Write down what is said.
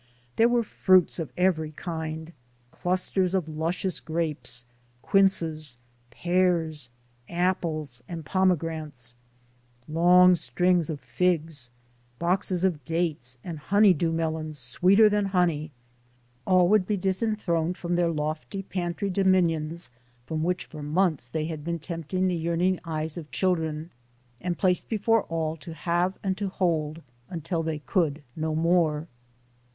There were fruits of every kind; clusters of luscious grapes, quinces, pears, apples and pomegranates, long strings of figs, boxes of dates, and honey dew melons 26 THE SOUL OF AN IMMIGRANT sweeter than honey ; all would be disenthroned from their lofty pantry dominions from which for months they had been tempting the yearning eyes of chil dren, and placed before all to have and to hold until they could no more.